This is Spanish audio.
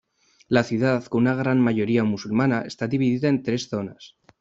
La ciudad, con una gran mayoría musulmana, está dividida en tres zonas.